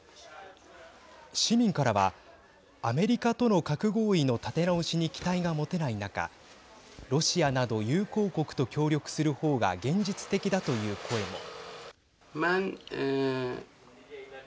市民からはアメリカとの核合意の立て直しに期待が持てない中ロシアなど友好国と協力するほうが現実的だという声も。